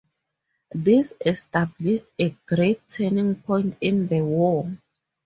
This established a great turning point in the war.